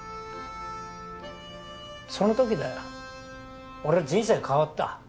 そのときだよ俺は人生変わった。